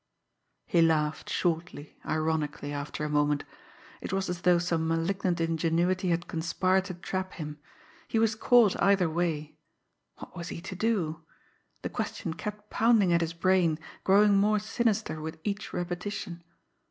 He laughed shortly, ironically after a moment. It was as though some malignant ingenuity had conspired to trap him. He was caught either way. What was he to do? The question kept pounding at his brain, growing more sinister with each repetition.